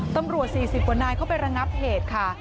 ตำรวจ๔๐กว่านายเข้าไประงับเหตุค่ะ